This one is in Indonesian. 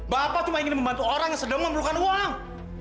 bapak cuma ingin membantu orang yang sedang memerlukan uang